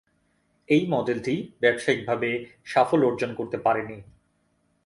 এই মডেলটি ব্যবসায়িকভাবে সাফল্য অর্জন করতে পারেনি।